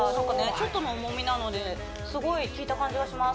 ちょっとの重みなのですごいきいた感じがします